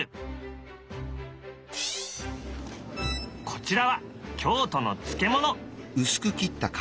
こちらは京都の漬物。